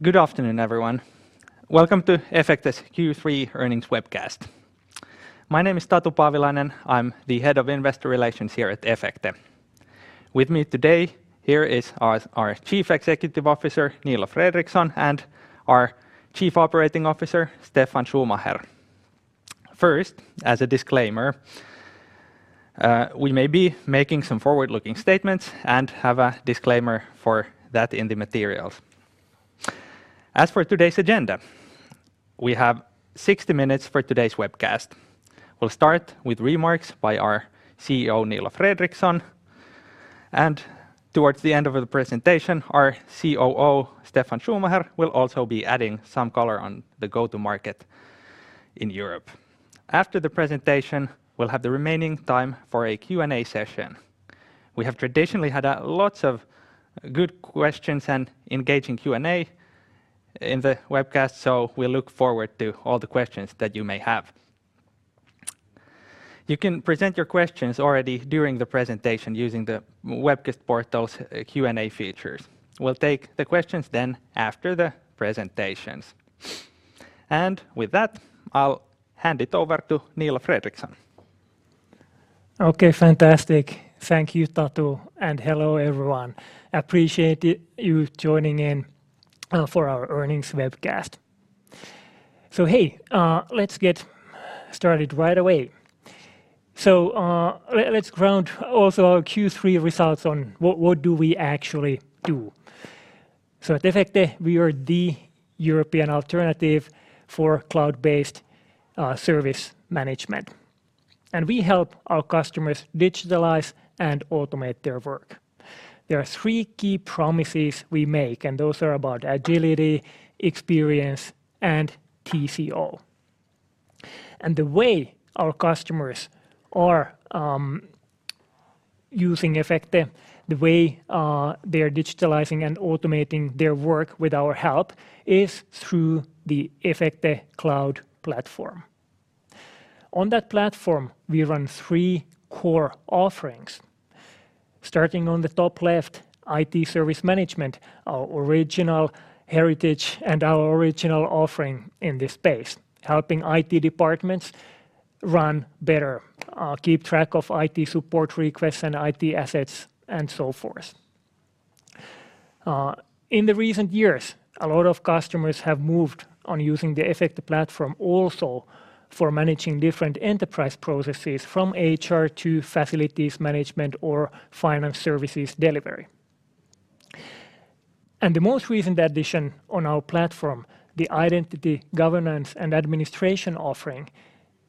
Good afternoon, everyone. Welcome to Efecte's Q3 Earnings Webcast. My name is Tatu Paavilainen. I'm the Head of Investor Relations here at Efecte. With me today here is our Chief Executive Officer, Niilo Fredrikson, and our Chief Operating Officer, Steffan Schumacher. First, as a disclaimer, we may be making some forward-looking statements and have a disclaimer for that in the materials. As for today's agenda, we have 60 minutes for today's webcast. We'll start with remarks by our CEO, Niilo Fredrikson, and towards the end of the presentation, our COO, Steffan Schumacher, will also be adding some color on the go-to-market in Europe. After the presentation, we'll have the remaining time for a Q&A session. We have traditionally had lots of good questions and engaging Q&A in the webcast, so we look forward to all the questions that you may have. You can present your questions already during the presentation using the webcast portal's Q&A features. We'll take the questions then after the presentations. With that, I'll hand it over to Niilo Fredrikson. Okay, fantastic. Thank you, Tatu, and hello, everyone. Appreciate you joining in for our earnings webcast. Hey, let's get started right away. Let's ground also our Q3 results on what we actually do. At Efecte, we are the European alternative for cloud-based service management, and we help our customers digitalize and automate their work. There are three key promises we make, and those are about agility, experience, and TCO. The way our customers are using Efecte, the way they are digitalizing and automating their work with our help is through the Efecte Cloud platform. On that platform, we run three core offerings. Starting on the top left, IT service management, our original heritage and our original offering in this space, helping IT departments run better, keep track of IT support requests and IT assets, and so forth. In the recent years, a lot of customers have moved on using the Efecte platform also for managing different enterprise processes from HR to facilities management or finance services delivery. The most recent addition on our platform, the identity, governance, and administration offering,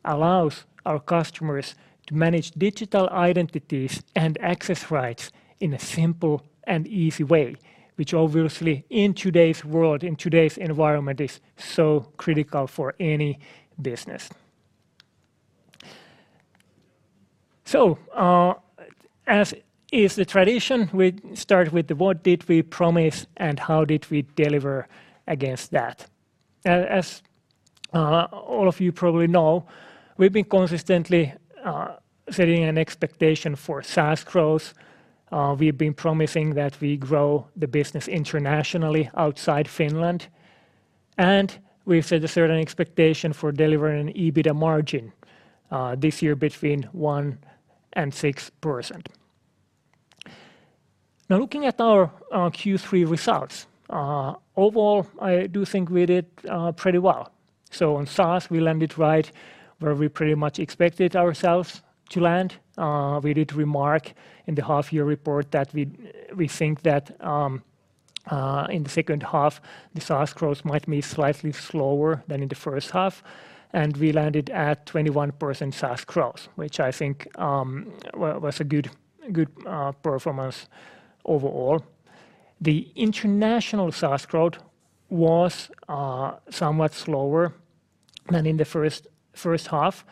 allows our customers to manage digital identities and access rights in a simple and easy way, which obviously in today's world, in today's environment is so critical for any business. As is the tradition, we start with what did we promise and how did we deliver against that? As all of you probably know, we've been consistently setting an expectation for SaaS growth. We've been promising that we grow the business internationally outside Finland, and we've set a certain expectation for delivering an EBITDA margin this year between 1% and 6%. Now, looking at our Q3 results, overall, I do think we did pretty well. On SaaS, we landed right where we pretty much expected ourselves to land. We did remark in the half-year report that we think that in the second half, the SaaS growth might be slightly slower than in the first half, and we landed at 21% SaaS growth, which I think was a good performance overall. The international SaaS growth was somewhat slower than in the first half.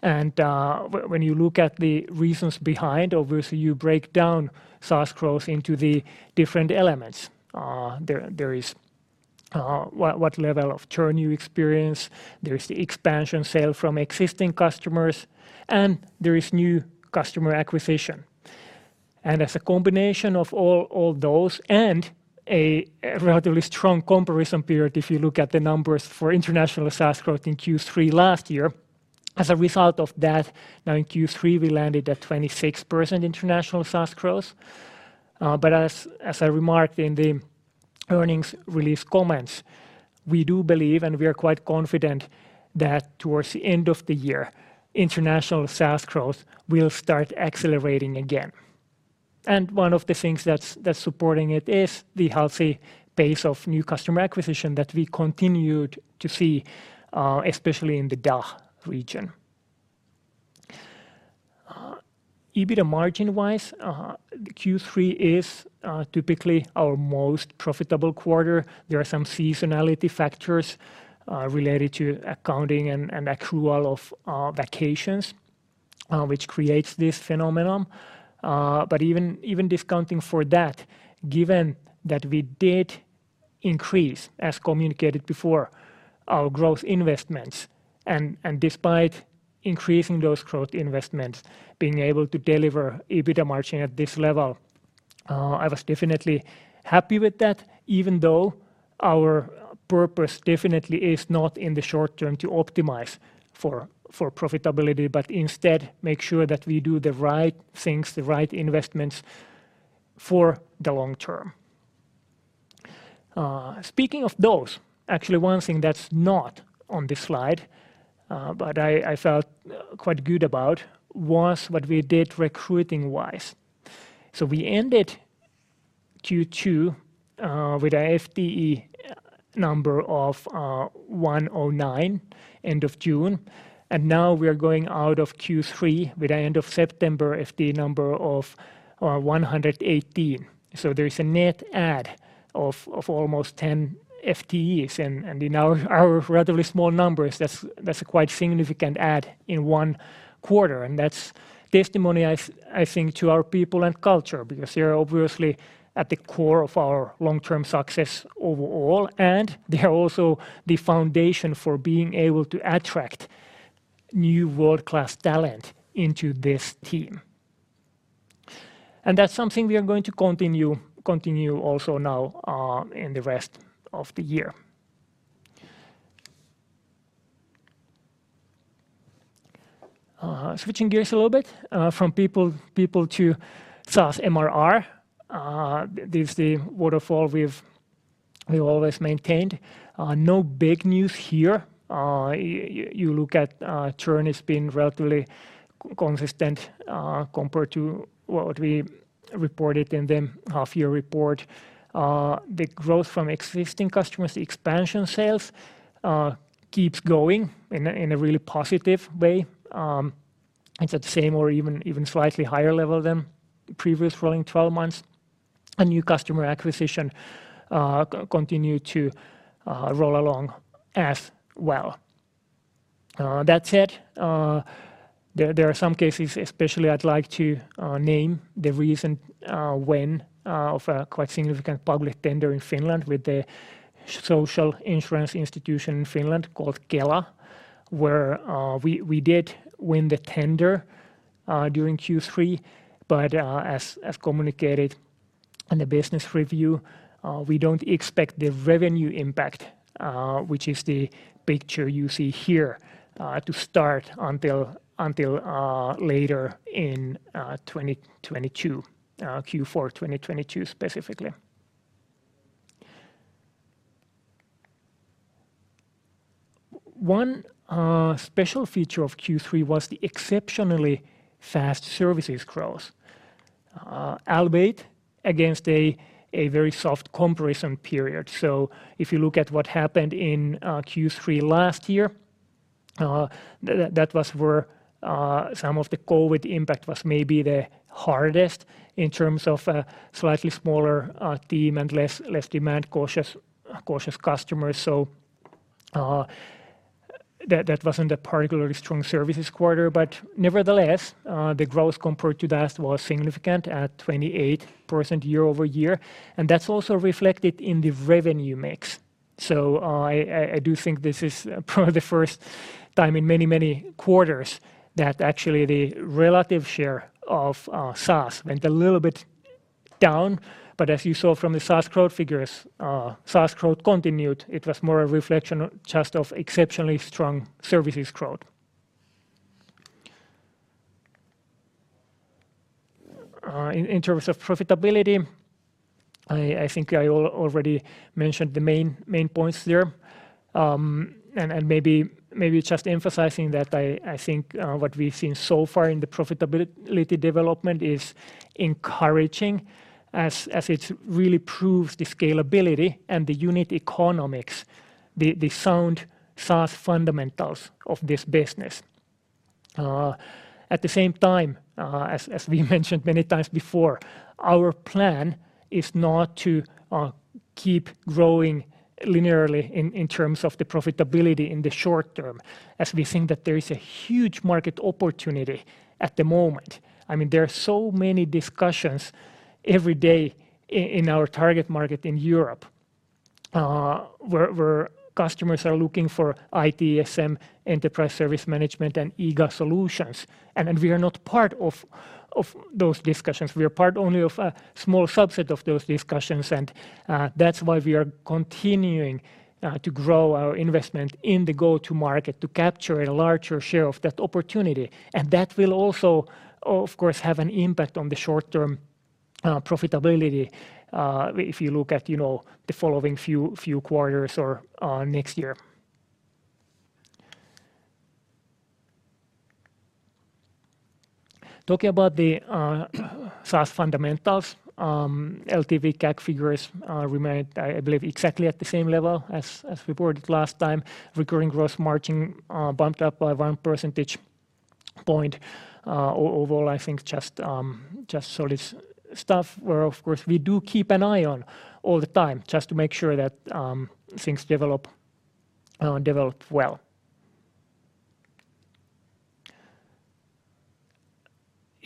When you look at the reasons behind, obviously you break down SaaS growth into the different elements. There is what level of churn you experience, there is the expansion sale from existing customers, and there is new customer acquisition. As a combination of all those and a relatively strong comparison period, if you look at the numbers for international SaaS growth in Q3 last year, as a result of that, now in Q3, we landed at 26% international SaaS growth. As I remarked in the earnings release comments, we do believe, and we are quite confident, that towards the end of the year, international SaaS growth will start accelerating again. One of the things that's supporting it is the healthy pace of new customer acquisition that we continued to see, especially in the DACH region. EBITDA margin-wise, Q3 is typically our most profitable quarter. There are some seasonality factors related to accounting and accrual of vacations, which creates this phenomenon. Even discounting for that, given that we did increase, as communicated before, our growth investments. Despite increasing those growth investments, being able to deliver EBITDA margin at this level, I was definitely happy with that, even though our purpose definitely is not in the short term to optimize for profitability, but instead make sure that we do the right things, the right investments for the long term. Speaking of those, actually one thing that's not on this slide, but I felt quite good about was what we did recruiting-wise. We ended Q2 with a FTE number of 109 end of June, and now we are going out of Q3 with the end of September FTE number of 118. There is a net add of almost 10 FTEs and in our relatively small numbers, that's a quite significant add in one quarter, and that's testimony I think to our people and culture, because they're obviously at the core of our long-term success overall, and they are also the foundation for being able to attract new world-class talent into this team. That's something we are going to continue also now in the rest of the year. Switching gears a little bit from people to SaaS MRR. This is the waterfall we've always maintained. No big news here. You look at churn as being relatively consistent compared to what we reported in the half year report. The growth from existing customers, the expansion sales, keeps going in a really positive way. It's at the same or even slightly higher level than previous rolling 12 months. New customer acquisition continue to roll along as well. That said, there are some cases especially I'd like to name the reason, one of a quite significant public tender in Finland with the social insurance institution in Finland called Kela, where we did win the tender during Q3, but as communicated in the business review, we don't expect the revenue impact, which is the picture you see here, to start until later in 2022, Q4 2022 specifically. One special feature of Q3 was the exceptionally fast services growth, albeit against a very soft comparison period. If you look at what happened in Q3 last year, that was where some of the COVID impact was maybe the hardest in terms of a slightly smaller team and less demand, cautious customers. That wasn't a particularly strong services quarter, but nevertheless, the growth compared to that was significant at 28% year-over-year, and that's also reflected in the revenue mix. I do think this is probably the first time in many quarters that actually the relative share of SaaS went a little bit down. As you saw from the SaaS growth figures, SaaS growth continued. It was more a reflection just of exceptionally strong services growth. In terms of profitability, I think I already mentioned the main points there. Maybe just emphasizing that I think what we've seen so far in the profitability development is encouraging as it really proves the scalability and the unit economics, the sound SaaS fundamentals of this business. At the same time, as we mentioned many times before, our plan is not to keep growing linearly in terms of the profitability in the short term, as we think that there is a huge market opportunity at the moment. I mean, there are so many discussions every day in our target market in Europe, where customers are looking for ITSM, enterprise service management, and IGA solutions, and we are not part of those discussions. We are part only of a small subset of those discussions, and that's why we are continuing to grow our investment in the go-to-market to capture a larger share of that opportunity. That will also of course have an impact on the short-term profitability if you look at you know the following few quarters or next year. Talking about the SaaS fundamentals, LTV/CAC figures remained, I believe, exactly at the same level as reported last time. Recurring gross margin bumped up by 1 percentage point. Overall, I think just solid stuff where of course we do keep an eye on all the time just to make sure that things develop well.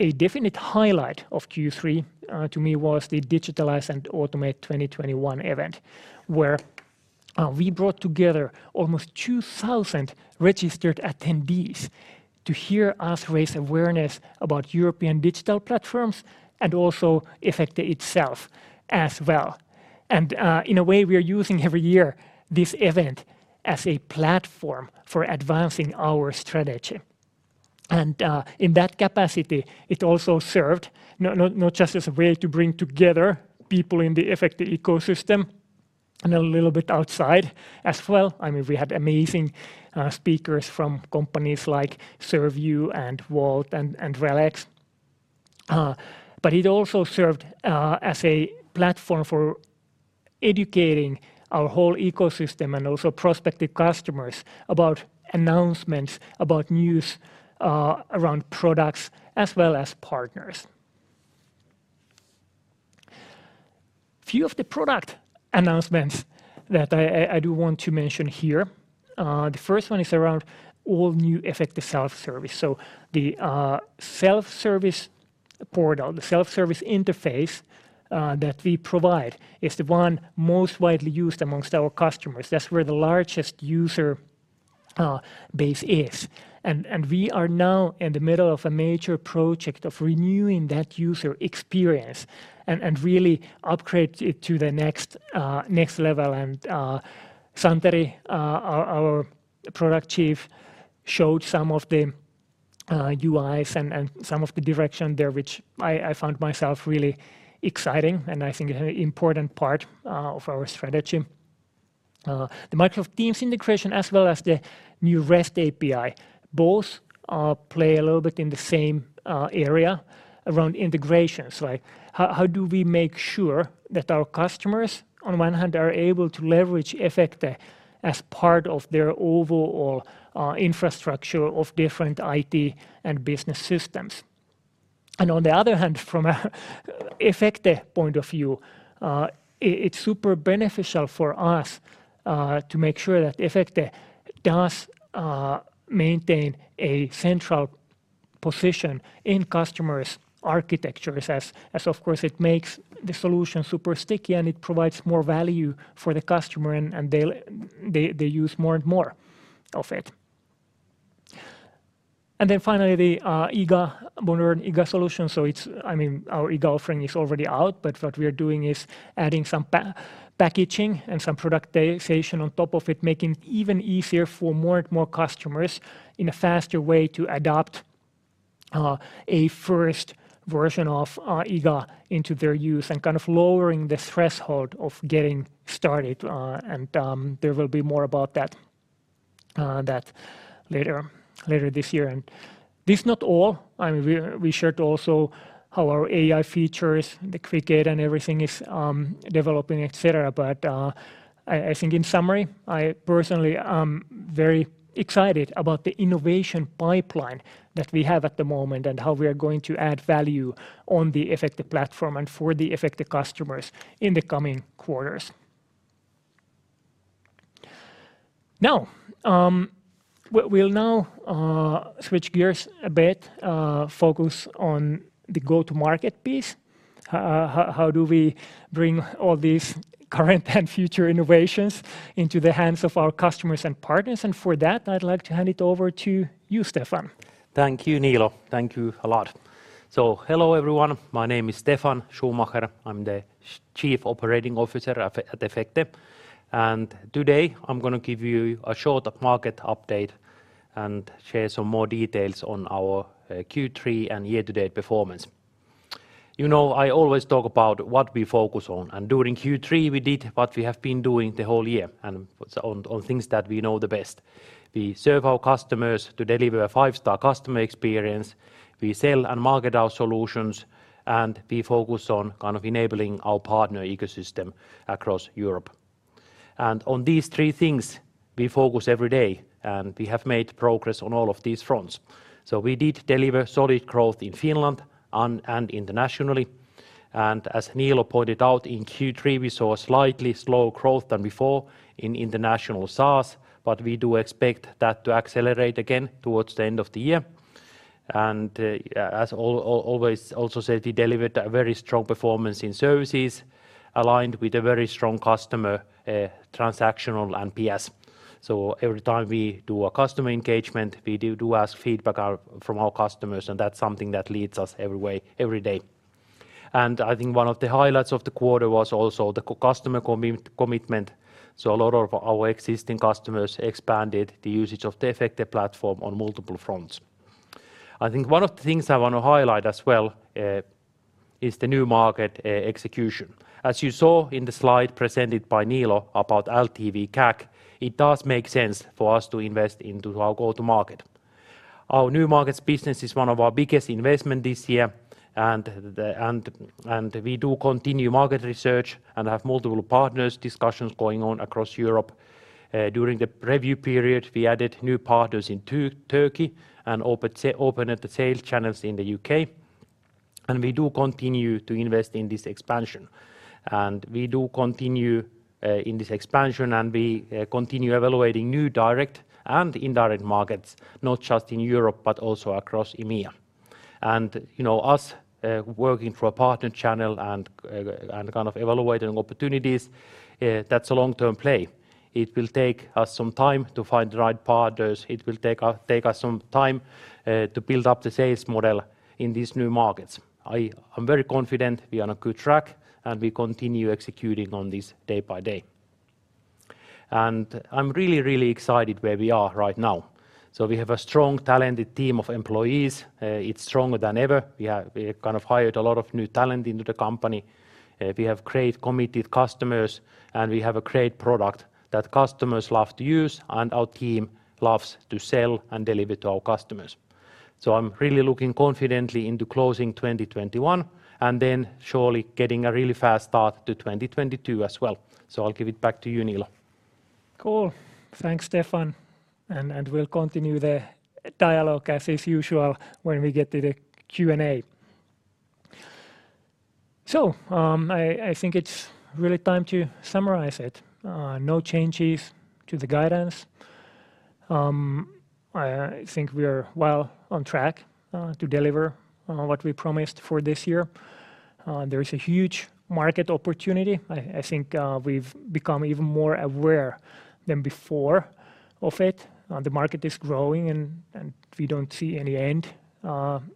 A definite highlight of Q3 to me was the Digitalize and Automate 2021 event, where we brought together almost 2,000 registered attendees to hear us raise awareness about European digital platforms and also Efecte itself as well. In a way, we are using every year this event as a platform for advancing our strategy. In that capacity, it also served not just as a way to bring together people in the Efecte ecosystem and a little bit outside as well. I mean, we had amazing speakers from companies like Sievo and Wolt and RELEX Solutions. It also served as a platform for educating our whole ecosystem and also prospective customers about announcements, about news around products as well as partners. Few of the product announcements that I do want to mention here. The first one is around all new Efecte Self-Service. The self-service portal, the self-service interface that we provide is the one most widely used amongst our customers. That's where the largest user base is. We are now in the middle of a major project of renewing that user experience and really upgrade it to the next level. Santeri, our product chief, showed some of the UIs and some of the direction there, which I found myself really exciting and I think an important part of our strategy. The Microsoft Teams integration as well as the new REST API both play a little bit in the same area around integrations. Like how do we make sure that our customers on one hand are able to leverage Efecte as part of their overall infrastructure of different IT and business systems? On the other hand, from a Efecte point of view, it's super beneficial for us to make sure that Efecte does maintain a central position in customers' architectures, as of course it makes the solution super sticky, and it provides more value for the customer, and they'll use more and more of it. Finally the modern IGA solution. I mean our IGA offering is already out, but what we are doing is adding some packaging and some productization on top of it, making it even easier for more and more customers in a faster way to adopt a first version of IGA into their use and kind of lowering the threshold of getting started. There will be more about that later this year. That's not all, I mean, we shared also how our AI features, the Effie and everything is developing etc. But I think in summary, I personally am very excited about the innovation pipeline that we have at the moment and how we are going to add value on the Efecte platform and for the Efecte customers in the coming quarters. Now, we'll now switch gears a bit, focus on the go-to-market piece. How do we bring all these current and future innovations into the hands of our customers and partners? For that, I'd like to hand it over to you, Steffan. Thank you, Niilo. Thank you a lot. Hello, everyone. My name is Steffan Schumacher. I'm the Chief Operating Officer at Efecte. Today I'm gonna give you a short market update and share some more details on our Q3 and year-to-date performance. You know, I always talk about what we focus on, and during Q3 we did what we have been doing the whole year and so on things that we know the best. We serve our customers to deliver a five-star customer experience, we sell and market our solutions, and we focus on kind of enabling our partner ecosystem across Europe. On these three things we focus every day, and we have made progress on all of these fronts. We did deliver solid growth in Finland and internationally. As Niilo pointed out, in Q3, we saw a slightly slower growth than before in international SaaS, but we do expect that to accelerate again towards the end of the year. As always also said, we delivered a very strong performance in services aligned with a very strong customer transactional NPS. Every time we do a customer engagement, we do ask for feedback from our customers, and that's something that leads us every day. I think one of the highlights of the quarter was also the customer commitment. A lot of our existing customers expanded the usage of the Efecte platform on multiple fronts. I think one of the things I wanna highlight as well is the new market execution. As you saw in the slide presented by Niilo about LTV/CAC, it does make sense for us to invest into our go-to-market. Our new markets business is one of our biggest investment this year and we do continue market research and have multiple partner discussions going on across Europe. During the review period, we added new partners in Turkey and opened the sales channels in the U.K. We do continue to invest in this expansion. We do continue in this expansion, and we continue evaluating new direct and indirect markets, not just in Europe, but also across EMEA. You know, us working through a partner channel and kind of evaluating opportunities, that's a long-term play. It will take us some time to find the right partners. It will take us some time to build up the sales model in these new markets. I'm very confident we are on a good track, and we continue executing on this day by day. I'm really excited where we are right now. We have a strong, talented team of employees. It's stronger than ever. We have kind of hired a lot of new talent into the company. We have great committed customers, and we have a great product that customers love to use and our team loves to sell and deliver to our customers. I'm really looking confidently into closing 2021, and then surely getting a really fast start to 2022 as well. I'll give it back to you, Niilo. Cool. Thanks, Steffan. We'll continue the dialogue as is usual when we get to the Q&A. I think it's really time to summarize it. No changes to the guidance. I think we are well on track to deliver what we promised for this year. There is a huge market opportunity. I think we've become even more aware than before of it. The market is growing and we don't see any end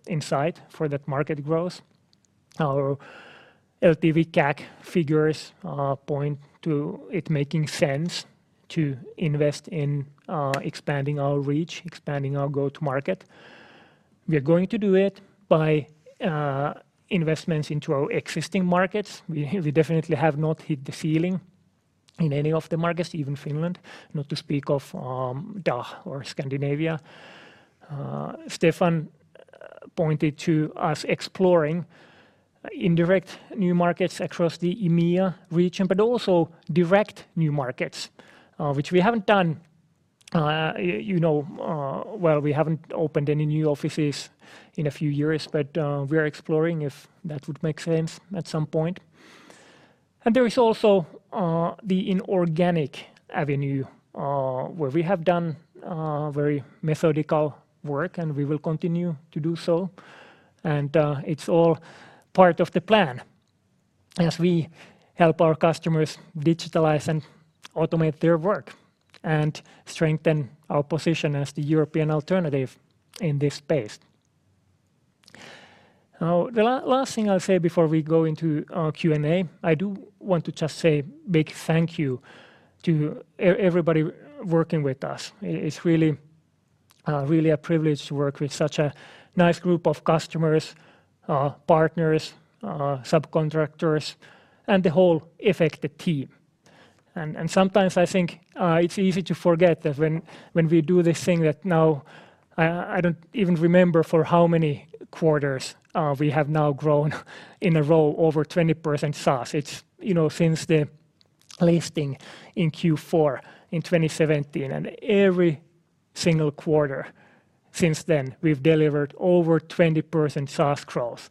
in sight for that market growth. Our LTV/CAC figures point to it making sense to invest in expanding our reach, expanding our go-to-market. We're going to do it by investments into our existing markets. We definitely have not hit the ceiling in any of the markets, even Finland, not to speak of DACH or Scandinavia. Steffan pointed to us exploring indirect new markets across the EMEA region, but also direct new markets, which we haven't done, you know, well, we haven't opened any new offices in a few years, but we are exploring if that would make sense at some point. There is also the inorganic avenue, where we have done very methodical work, and we will continue to do so. It's all part of the plan as we help our customers digitalize and automate their work and strengthen our position as the European alternative in this space. Now, the last thing I'll say before we go into our Q&A, I do want to just say big thank you to everybody working with us. It's really a privilege to work with such a nice group of customers, partners, subcontractors, and the whole Efecte team. Sometimes I think it's easy to forget that when we do this thing that now I don't even remember for how many quarters we have now grown in a row over 20% SaaS. It's, you know, since the listing in Q4 in 2017, and every single quarter since then, we've delivered over 20% SaaS growth.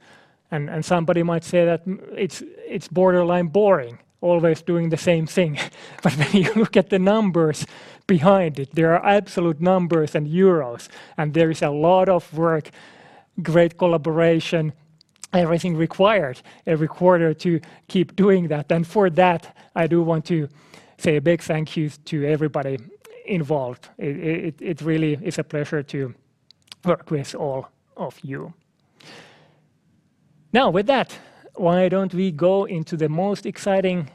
Somebody might say that it's borderline boring always doing the same thing. When you look at the numbers behind it, there are absolute numbers and euros, and there is a lot of work, great collaboration, everything required every quarter to keep doing that. For that, I do want to say a big thank you to everybody involved. It really is a pleasure to work with all of you. Now, with that, why don't we go into the most exciting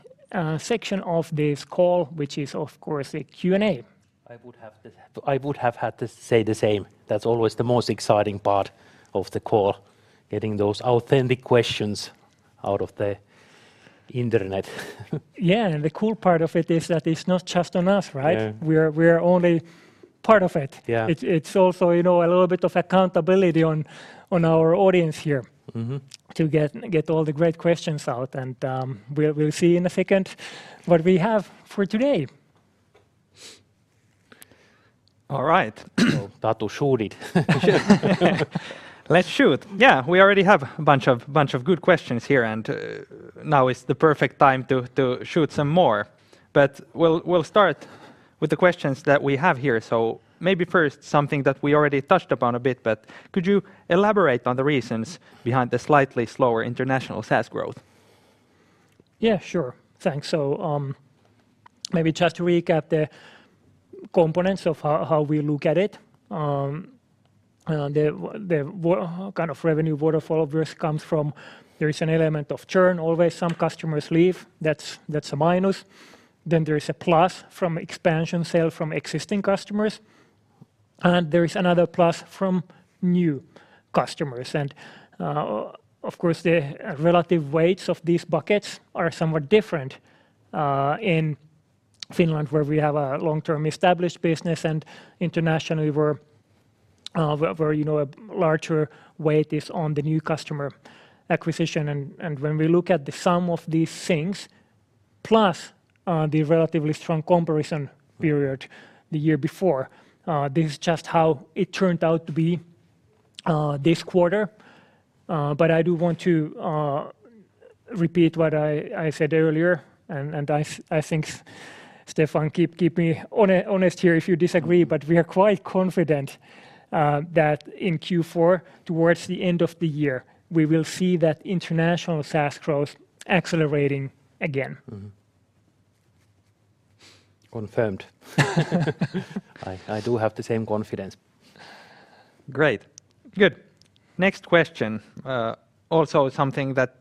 section of this call, which is of course the Q&A. I would have had to say the same. That's always the most exciting part of the call, getting those authentic questions out of the internet. Yeah. The cool part of it is that it's not just on us, right? Yeah. We're only part of it. Yeah. It's also, you know, a little bit of accountability on our audience here. To get all the great questions out. We'll see in a second what we have for today. All right. Tatu, shoot it. We should. Let's shoot. Yeah. We already have a bunch of good questions here, and now is the perfect time to shoot some more. We'll start with the questions that we have here. Maybe first something that we already touched upon a bit, but could you elaborate on the reasons behind the slightly slower international SaaS growth? Yeah, sure. Thanks. Maybe just to recap the components of how we look at it, the kind of revenue waterfall risk comes from there is an element of churn always. Some customers leave. That's a minus. Then there is a plus from expansion sale from existing customers, and there is another plus from new customers. Of course, the relative weights of these buckets are somewhat different in Finland, where we have a long-term established business, and internationally where, you know, a larger weight is on the new customer acquisition. When we look at the sum of these things plus the relatively strong comparison period the year before. This is just how it turned out to be this quarter. I do want to repeat what I said earlier, and I think Steffan, keep me honest here if you disagree. We are quite confident that in Q4, towards the end of the year, we will see that international SaaS growth accelerating again. Mm-hmm. Confirmed. I do have the same confidence. Great. Good. Next question, also something that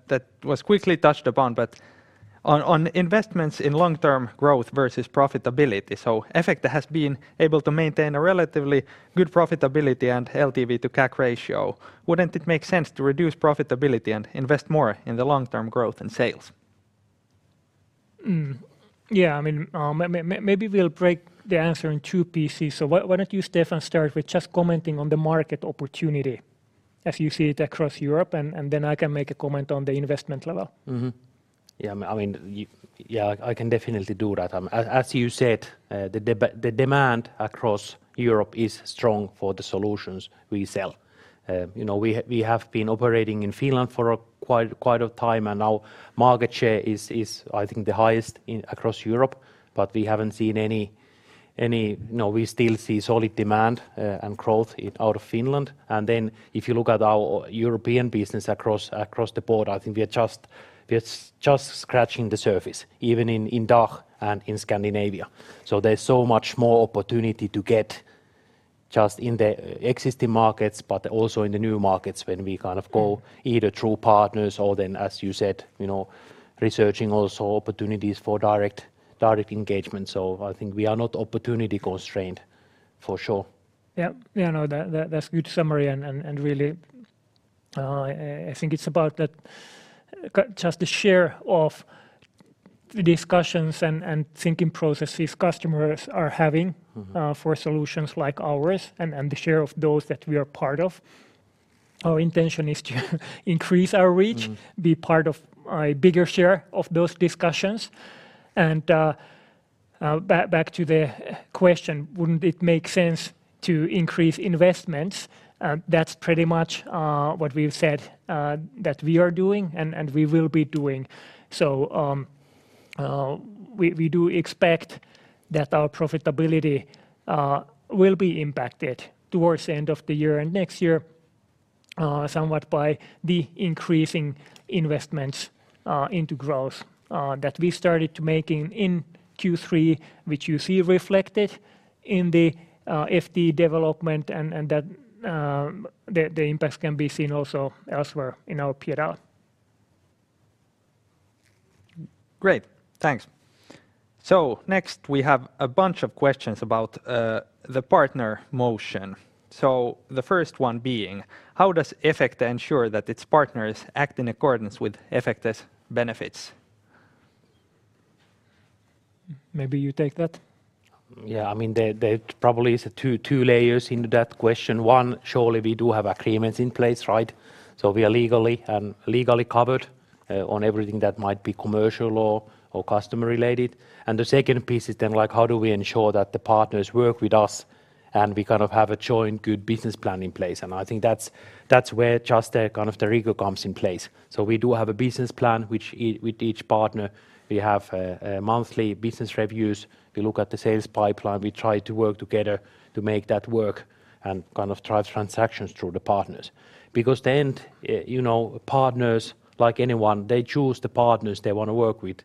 was quickly touched upon, but on investments in long-term growth versus profitability. Efecte has been able to maintain a relatively good profitability and LTV to CAC ratio. Wouldn't it make sense to reduce profitability and invest more in the long-term growth and sales? Yeah, I mean, maybe we'll break the answer in two pieces. Why don't you, Steffan, start with just commenting on the market opportunity as you see it across Europe, and then I can make a comment on the investment level. Yeah, I mean, yeah, I can definitely do that. As you said, the demand across Europe is strong for the solutions we sell. You know, we have been operating in Finland for quite a time, and our market share is, I think, the highest across Europe. But we haven't seen any. No, we still see solid demand and growth in and out of Finland. If you look at our European business across the board, I think we are just scratching the surface, even in DACH and Scandinavia. There's so much more opportunity to get just in the existing markets but also in the new markets when we kind of go either through partners or then, as you said, you know, researching also opportunities for direct engagement. I think we are not opportunity constrained, for sure. Yeah. Yeah, no, that's a good summary and really, I think it's about that just the share of the discussions and thinking processes customers are having for solutions like ours and the share of those that we are part of. Our intention is to increase our reach be part of a bigger share of those discussions. Back to the question, wouldn't it make sense to increase investments? That's pretty much what we've said that we are doing and we will be doing. We do expect that our profitability will be impacted towards the end of the year and next year somewhat by the increasing investments into growth that we started making in Q3, which you see reflected in the EBITDA development and that the impacts can be seen also elsewhere in our P&L. Great. Thanks. Next we have a bunch of questions about the partner motion. The first one being: How does Efecte ensure that its partners act in accordance with Efecte's benefits? Maybe you take that. Yeah, I mean, there probably is two layers to that question. One, surely we do have agreements in place, right? We are legally covered on everything that might be commercial or customer related. The second piece is then, like, how do we ensure that the partners work with us and we kind of have a joint good business plan in place? I think that's where just the kind of rigor comes in place. We do have a business plan with each partner. We have monthly business reviews. We look at the sales pipeline. We try to work together to make that work and kind of drive transactions through the partners. Because in the end, you know, partners, like anyone, they choose the partners they wanna work with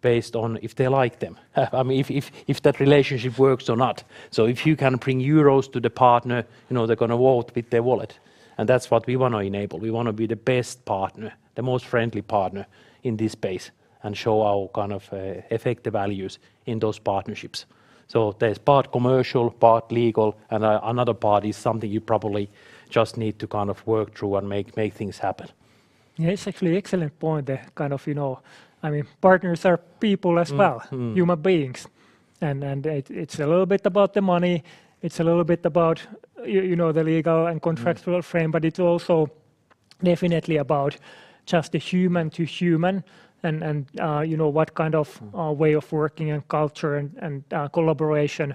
based on if they like them, if that relationship works or not. If you can bring euros to the partner, you know, they're gonna vote with their wallet, and that's what we wanna enable. We wanna be the best partner, the most friendly partner in this space, and show our kind of Efecte values in those partnerships. There's part commercial, part legal, and another part is something you probably just need to kind of work through and make things happen. Yeah, it's actually excellent point there, kind of, you know. I mean, partners are people as well. Human beings. It's a little bit about the money, it's a little bit about you know, the legal and contractual frame, but it's also definitely about just the human to human and you know, what kind of way of working and culture and collaboration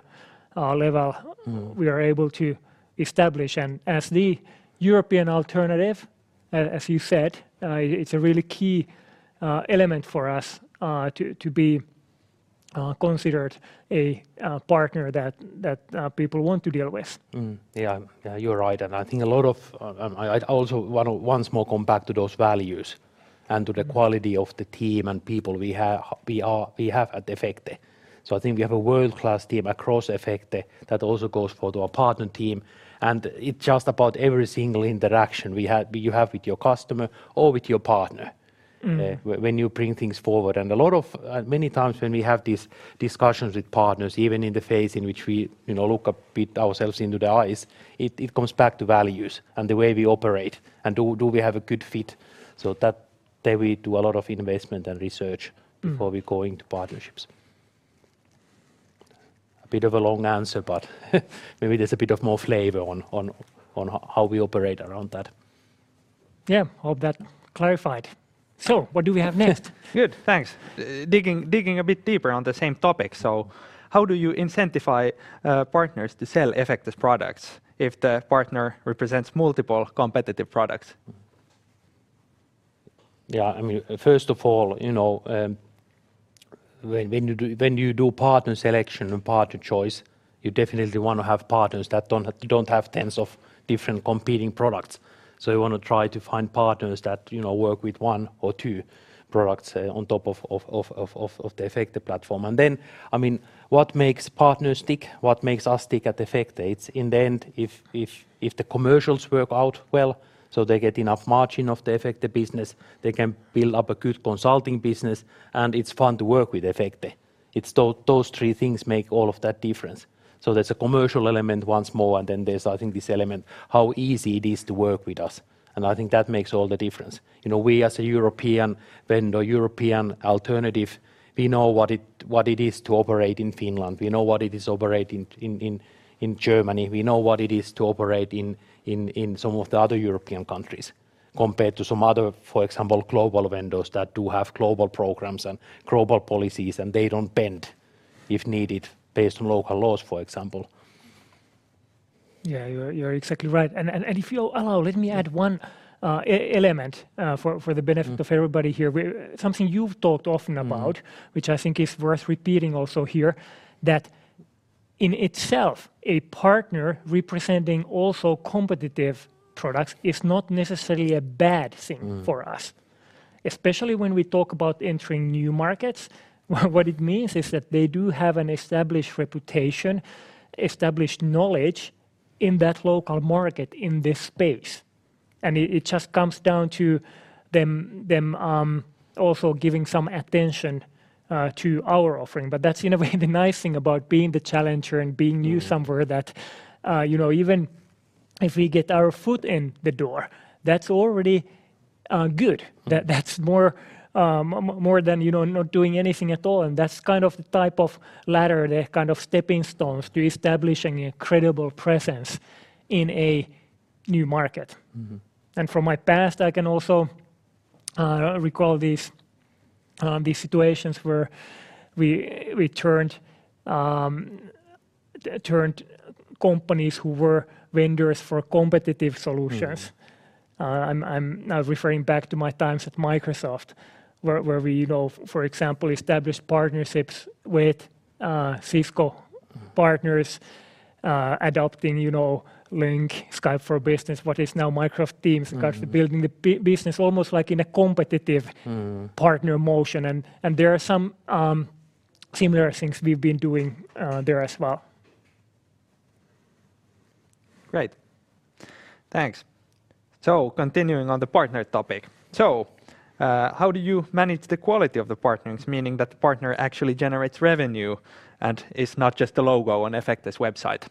level. We are able to establish. As the European alternative, as you said, it's a really key element for us to be considered a partner that people want to deal with. Yeah. Yeah, you're right. I think a lot of, I'd also wanna once more come back to those values and to the quality of the team and people we have at Efecte. I think we have a world-class team across Efecte that also goes for our partner team, and it's just about every single interaction we have, you have with your customer or with your partner. When you bring things forward. A lot of many times when we have these discussions with partners, even in the phase in which we, you know, look each other in the eyes, it comes back to values and the way we operate and do we have a good fit? There we do a lot of investment and research. Before we go into partnerships. A bit of a long answer, but maybe there's a bit of more flavor on how we operate around that. Yeah. Hope that clarified. What do we have next? Good, thanks. Digging a bit deeper on the same topic. How do you incentivize partners to sell Efecte's products if the partner represents multiple competitive products? Yeah, I mean, first of all, you know, when you do partner selection and partner choice, you definitely wanna have partners that don't have tens of different competing products. You wanna try to find partners that, you know, work with one or two products on top of the Efecte platform. I mean, what makes partners tick, what makes us tick at Efecte, it's in the end if the commercials work out well, so they get enough margin of the Efecte business, they can build up a good consulting business, and it's fun to work with Efecte. Those three things make all of that difference. There's a commercial element once more, and then there's, I think, this element how easy it is to work with us, and I think that makes all the difference. You know, we as a European vendor, European alternative, we know what it is to operate in Finland. We know what it is to operate in Germany. We know what it is to operate in some of the other European countries compared to some other, for example, global vendors that do have global programs and global policies, and they don't bend if needed based on local laws, for example. Yeah, you're exactly right. If you allow, let me add one element for the benefit of everybody here. Something you've talked often about. Which I think is worth repeating also here, that in itself, a partner representing also competitive products is not necessarily a bad thing for us. Especially when we talk about entering new markets, what it means is that they do have an established reputation, established knowledge in that local market, in this space, and it just comes down to them also giving some attention to our offering. That's, in a way, the nice thing about being the challenger and being new. You know, even if we get our foot in the door, that's already good. That's more than, you know, not doing anything at all, and that's kind of the type of latter, the kind of stepping stones to establishing a credible presence in a new market. From my past, I can also recall these situations where we turned companies who were vendors for competitive solutions. I'm now referring back to my times at Microsoft where we, you know, for example, established partnerships with Cisco partners. Adopting, you know, Lync, Skype for Business, what is now Microsoft Teams. actually building the business almost like in a competitive partner motion. There are some similar things we've been doing there as well. Great. Thanks. Continuing on the partner topic. How do you manage the quality of the partners, meaning that the partner actually generates revenue and is not just a logo on Efecte's website?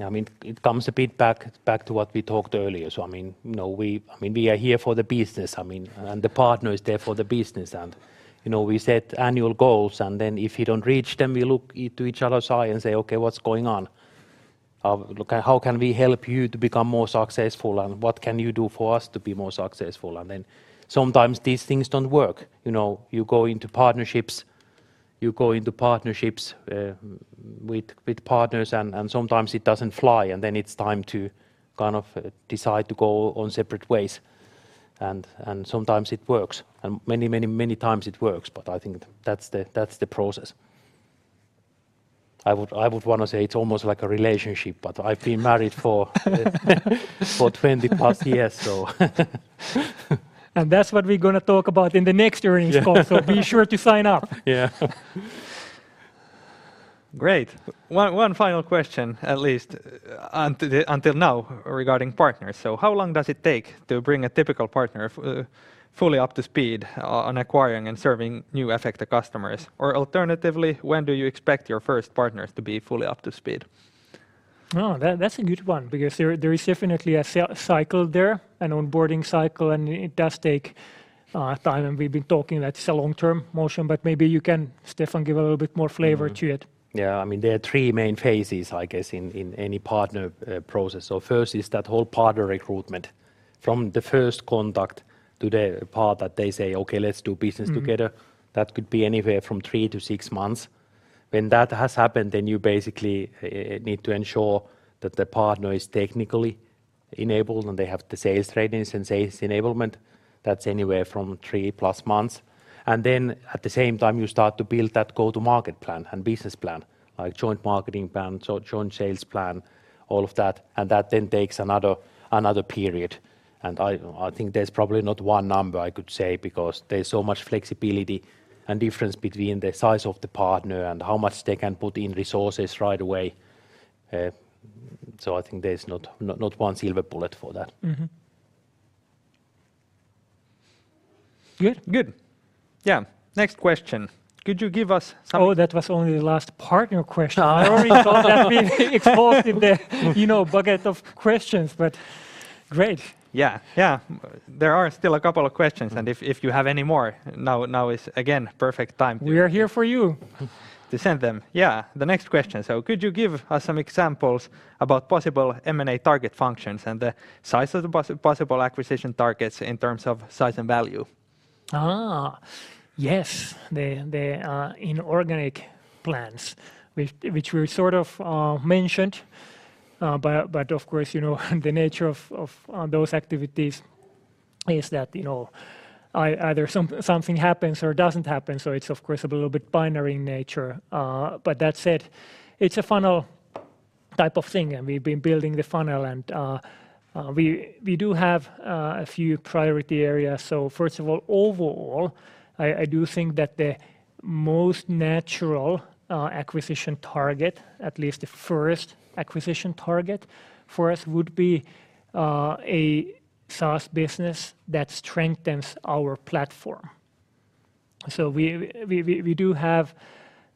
I mean, it comes a bit back to what we talked earlier. I mean, you know, we are here for the business, I mean, and the partner is there for the business. You know, we set annual goals, and then if you don't reach them, we look to each other's eye and say, "Okay, what's going on? Look, how can we help you to become more successful, and what can you do for us to be more successful?" Sometimes these things don't work. You know, you go into partnerships with partners and sometimes it doesn't fly, and it's time to kind of decide to go on separate ways. Sometimes it works. Many times it works, but I think that's the process. I would wanna say it's almost like a relationship, but I've been married for 20+ years, so. That's what we're gonna talk about in the next earnings call. Yeah Be sure to sign up. Yeah. Great. One final question, at least, until now regarding partners. How long does it take to bring a typical partner fully up to speed on acquiring and serving new Efecte customers? Or alternatively, when do you expect your first partners to be fully up to speed? Oh, that's a good one because there is definitely a cycle there, an onboarding cycle, and it does take time. We've been talking, that's a long-term motion. Maybe you can, Steffan, give a little bit more flavor to it. Mm-hmm. Yeah, I mean, there are three main phases, I guess, in any partner process. First is that whole partner recruitment. From the first contact to the part that they say, "Okay, let's do business together. That could be anywhere from 3-6 months. When that has happened, you basically need to ensure that the partner is technically enabled, and they have the sales trainings and sales enablement. That's anywhere from 3+ months. At the same time, you start to build that go-to-market plan and business plan, like joint marketing plan, joint sales plan, all of that, and that then takes another period. I think there's probably not one number I could say because there's so much flexibility and difference between the size of the partner and how much they can put in resources right away. I think there's not one silver bullet for that. Mm-hmm. Good. Good. Yeah. Next question. Could you give us some Oh, that was only the last partner question. Oh. I already thought I've exhausted the, you know, bucket of questions. But great. Yeah, yeah. There are still a couple of questions, and if you have any more, now is again perfect time to. We are here for you.... to send them. Yeah. The next question. Could you give us some examples about possible M&A target functions and the size of the possible acquisition targets in terms of size and value? Yes. The inorganic plans which we sort of mentioned, but of course, you know, the nature of those activities is that, you know, either something happens or doesn't happen, so it's of course a little bit binary in nature. That said, it's a funnel type of thing, and we've been building the funnel and we do have a few priority areas. First of all, overall, I do think that the most natural acquisition target, at least the first acquisition target for us, would be a SaaS business that strengthens our platform. We do have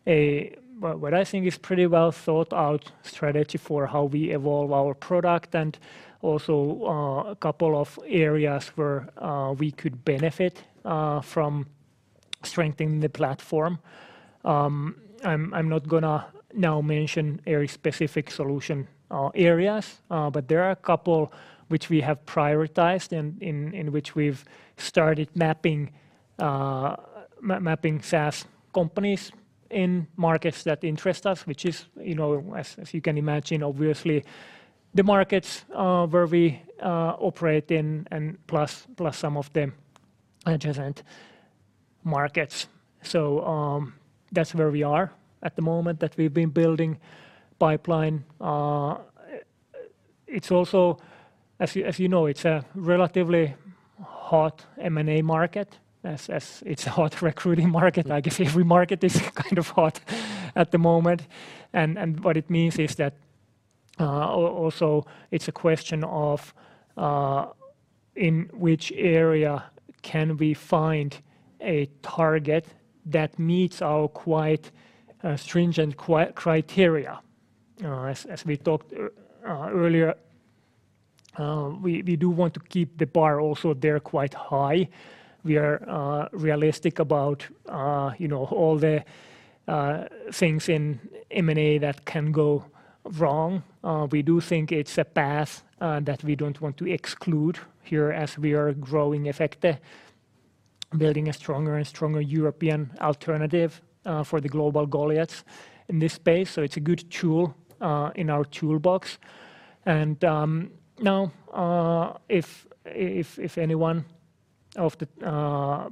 a what I think is pretty well thought out strategy for how we evolve our product and also a couple of areas where we could benefit from strengthening the platform. I'm not gonna now mention very specific solution areas, but there are a couple which we have prioritized and in which we've started mapping SaaS companies in markets that interest us, which is, you know, as you can imagine, obviously, the markets where we operate in and plus some of the adjacent markets. That's where we are at the moment that we've been building pipeline. It's also, as you know, it's a relatively hot M&A market as it's a hot recruiting market. Like every market is kind of hot at the moment. What it means is that also it's a question of in which area can we find a target that meets our quite stringent criteria. As we talked earlier, we do want to keep the bar also there quite high. We are realistic about, you know, all the things in M&A that can go wrong. We do think it's a path that we don't want to exclude here as we are growing Efecte, building a stronger and stronger European alternative for the global goliaths in this space. It's a good tool in our toolbox. If anyone of the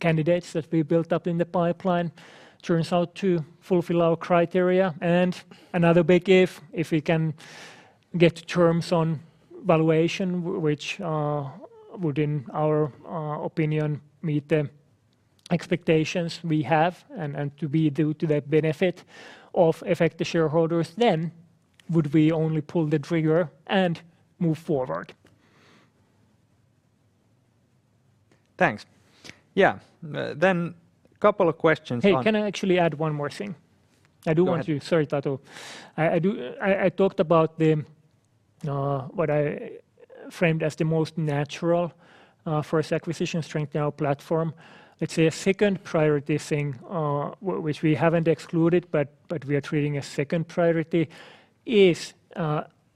candidates that we built up in the pipeline turns out to fulfill our criteria and another big if we can get terms on valuation, which would, in our opinion, meet the expectations we have and to the benefit of Efecte shareholders, then would we only pull the trigger and move forward. Thanks. Yeah. A couple of questions on. Hey, can I actually add one more thing? I do want to. Go ahead. Sorry, Tatu. I talked about what I framed as the most natural first acquisition to strengthen our platform. Let's say a second priority thing, which we haven't excluded, but we are treating as second priority, is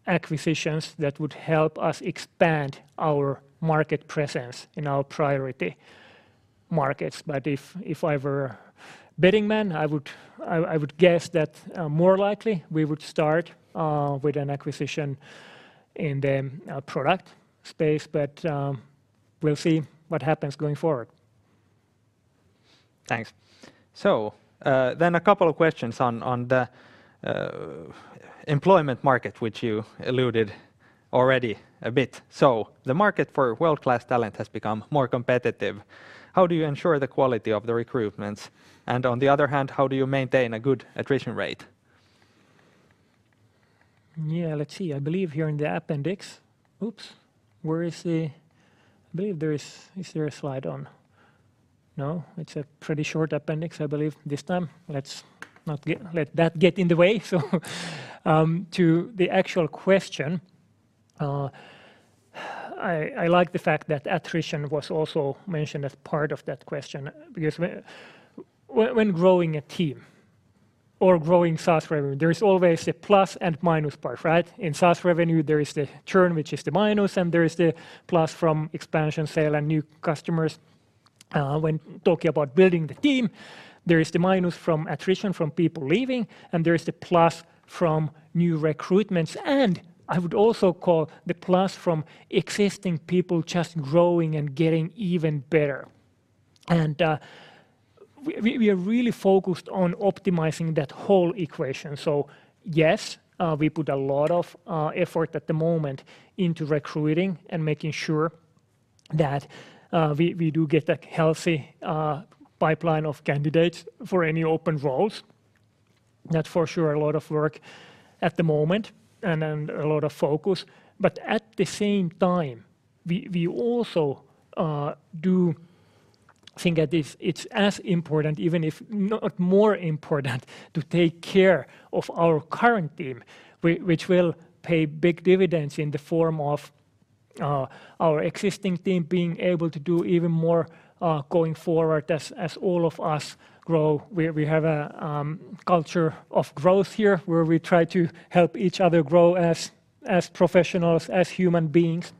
acquisitions that would help us expand our market presence in our priority markets. If I were a betting man, I would guess that more likely we would start with an acquisition in the product space, but we'll see what happens going forward. Thanks. A couple of questions on the employment market, which you alluded already a bit. The market for world-class talent has become more competitive. How do you ensure the quality of the recruitments? And on the other hand, how do you maintain a good attrition rate? Yeah, let's see. I believe here in the appendix. Oops. It's a pretty short appendix, I believe, this time. Let's not let that get in the way. To the actual question, I like the fact that attrition was also mentioned as part of that question, because when growing a team or growing SaaS revenue, there is always a plus and minus part, right? In SaaS revenue, there is the churn, which is the minus, and there is the plus from expansion sale and new customers. When talking about building the team, there is the minus from attrition from people leaving, and there is the plus from new recruitments, and I would also call the plus from existing people just growing and getting even better. We are really focused on optimizing that whole equation. Yes, we put a lot of effort at the moment into recruiting and making sure that we do get a healthy pipeline of candidates for any open roles. That's for sure a lot of work at the moment and a lot of focus. At the same time, we also I think that it's as important, even if not more important, to take care of our current team, which will pay big dividends in the form of our existing team being able to do even more going forward as all of us grow. We have a culture of growth here, where we try to help each other grow as professionals, as human beings.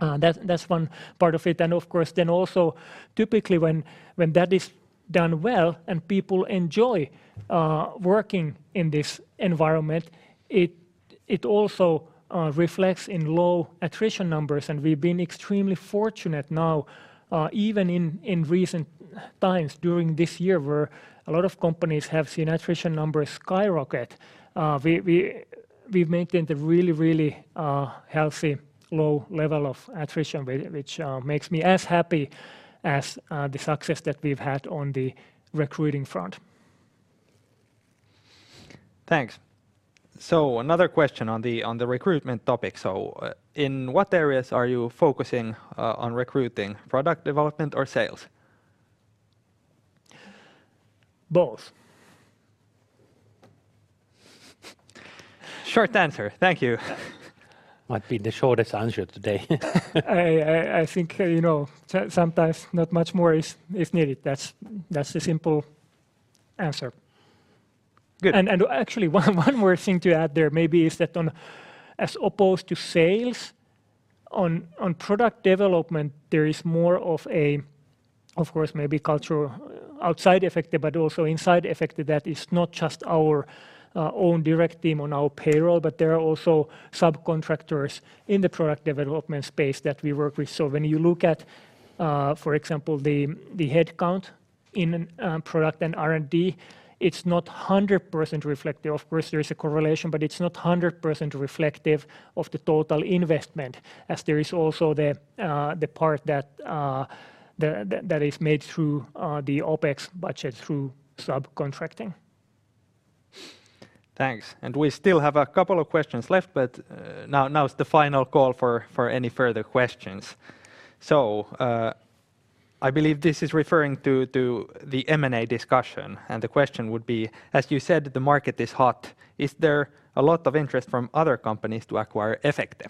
That's one part of it. Of course, then also typically when that is done well and people enjoy working in this environment, it also reflects in low attrition numbers, and we've been extremely fortunate now even in recent times during this year, where a lot of companies have seen attrition numbers skyrocket. We've maintained a really healthy low level of attrition rate, which makes me as happy as the success that we've had on the recruiting front. Thanks. Another question on the recruitment topic. In what areas are you focusing on recruiting? Product development or sales? Both. Short answer. Thank you. Might be the shortest answer today. I think, you know, sometimes not much more is needed. That's the simple answer. Good. Actually, one more thing to add there maybe is that as opposed to sales, on product development, there is more of a cultural outside Efecte but also inside Efecte that is not just our own direct team on our payroll, but there are also subcontractors in the product development space that we work with. So when you look at, for example, the headcount in product and R&D, it's not 100% reflective. Of course, there is a correlation, but it's not 100% reflective of the total investment as there is also the part that is made through the OpEx budget through subcontracting. Thanks. We still have a couple of questions left, but now is the final call for any further questions. I believe this is referring to the M&A discussion, and the question would be, as you said, the market is hot. Is there a lot of interest from other companies to acquire Efecte?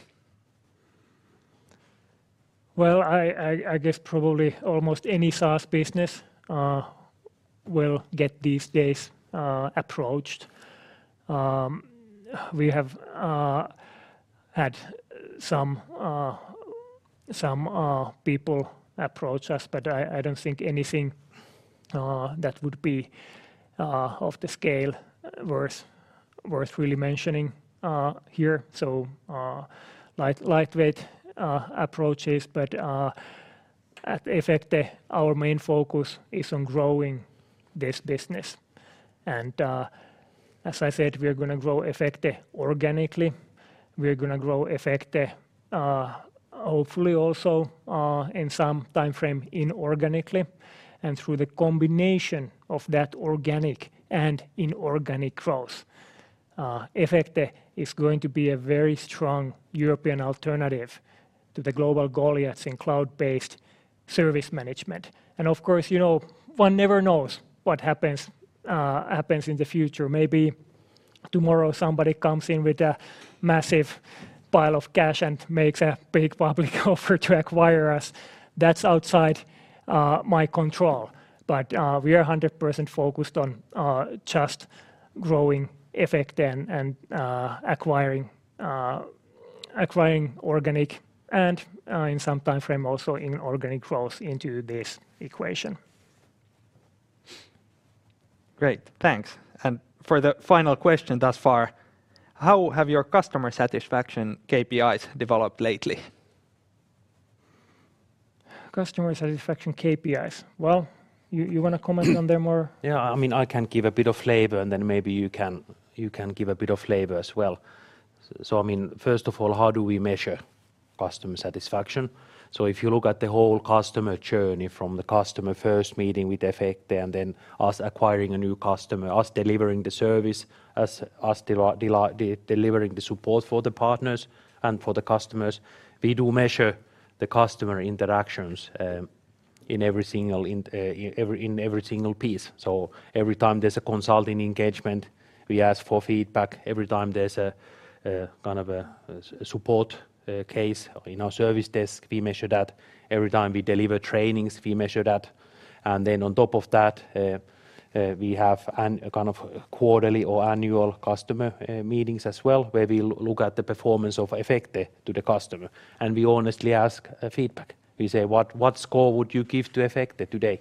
Well, I guess probably almost any SaaS business will get these days approached. We have had some people approach us, but I don't think anything that would be of the scale worth really mentioning here. Lightweight approaches. At Efecte, our main focus is on growing this business. As I said, we are gonna grow Efecte organically. We are gonna grow Efecte, hopefully also, in some timeframe inorganically. Through the combination of that organic and inorganic growth, Efecte is going to be a very strong European alternative to the global goliaths in cloud-based service management. Of course, you know, one never knows what happens in the future. Maybe tomorrow somebody comes in with a massive pile of cash and makes a big public offer to acquire us. That's outside my control. We are 100% focused on just growing Efecte and acquiring organic and in some timeframe also inorganic growth into this equation. Great. Thanks. For the final question thus far, how have your customer satisfaction KPIs developed lately? Customer satisfaction KPIs. Well, you wanna comment on them more? Yeah. I mean, I can give a bit of flavor, and then maybe you can give a bit of flavor as well. I mean, first of all, how do we measure customer satisfaction? If you look at the whole customer journey from the customer first meeting with Efecte, and then us acquiring a new customer, us delivering the service, us delivering the support for the partners and for the customers, we do measure the customer interactions in every single piece. Every time there's a consulting engagement, we ask for feedback. Every time there's kind of a support case in our service desk, we measure that. Every time we deliver trainings, we measure that. Then on top of that, we have a kind of quarterly or annual customer meetings as well, where we look at the performance of Efecte to the customer, and we honestly ask feedback. We say, "What score would you give to Efecte today?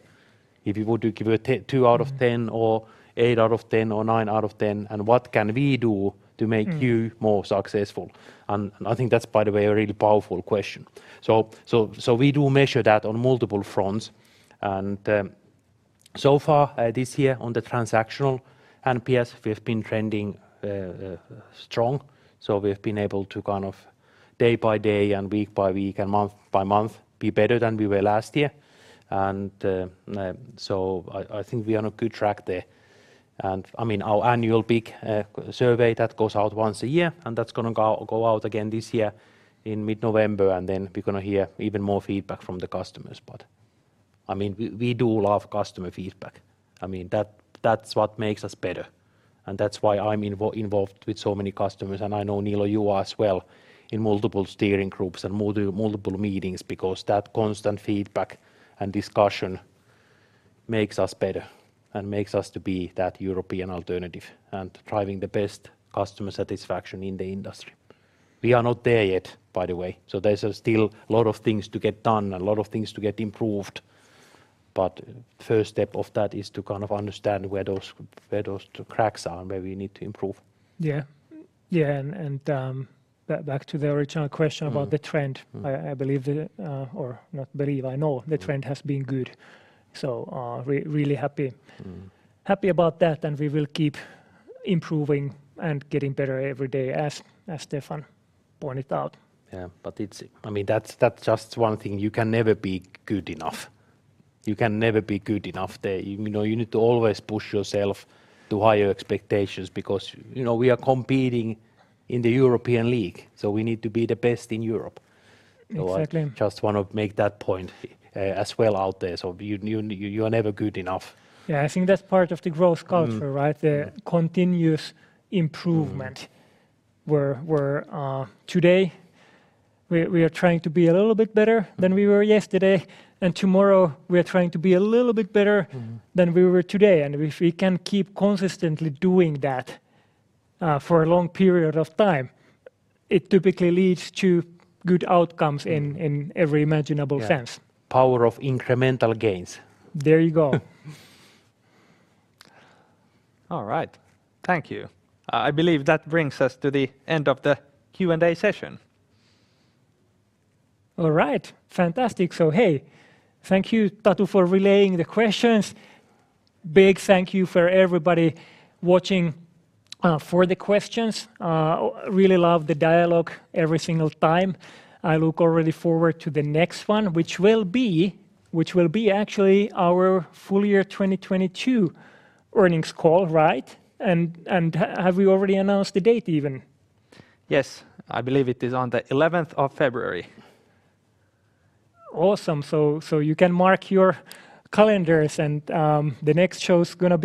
If you would give a 2 out of 10 or 8 out of 10 or 9 out of 10, and what can we do to make you more successful?" I think that's, by the way, a really powerful question. We do measure that on multiple fronts. So far, this year on the transactional NPS, we've been trending strong. We've been able to kind of day by day and week by week and month by month be better than we were last year. I think we are on a good track there. I mean, our annual big survey that goes out once a year, and that's gonna go out again this year in mid-November, and then we're gonna hear even more feedback from the customers. I mean, we do love customer feedback. I mean, that's what makes us better, and that's why I'm involved with so many customers. I know, Niilo, you are as well in multiple steering groups and multiple meetings because that constant feedback and discussion makes us better and makes us to be that European alternative and driving the best customer satisfaction in the industry. We are not there yet, by the way, so there's still a lot of things to get done, a lot of things to get improved. First step of that is to kind of understand where those cracks are and where we need to improve. Yeah. Back to the original question. about the trend. I, I believe that, uh, or not believe, I know- the trend has been good. Really happy. Happy about that, and we will keep improving and getting better every day as Steffan pointed out. Yeah, it's. I mean, that's just one thing. You can never be good enough. You need to always push yourself to higher expectations because, you know, we are competing in the European League, so we need to be the best in Europe. Exactly. I just wanna make that point, as well out there, so you are never good enough. Yeah, I think that's part of the growth culture. right? The continuous improvement. Where today we are trying to be a little bit better than we were yesterday, and tomorrow we are trying to be a little bit better.... than we were today. If we can keep consistently doing that, for a long period of time, it typically leads to good outcomes in every imaginable sense. Yeah. Power of incremental gains. There you go. All right. Thank you. I believe that brings us to the end of the Q&A session. All right. Fantastic. Hey, thank you, Tatu, for relaying the questions. Big thank you for everybody watching for the questions. Really love the dialogue every single time. I look already forward to the next one, which will be actually our full year 2022 earnings call, right? Have we already announced the date even? Yes. I believe it is on the 11th of February. Awesome. You can mark your calendars. The next show's gonna be